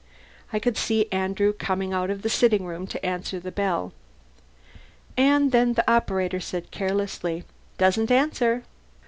I could see Andrew coming out of the sitting room to answer the bell. And then the operator said carelessly, "Doesn't answer."